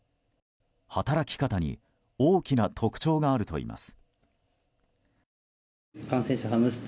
働き方に大きな特徴があるといいます。